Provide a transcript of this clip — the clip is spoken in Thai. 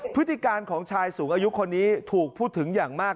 พฤติการของชายสูงอายุคนนี้ถูกพูดถึงอย่างมาก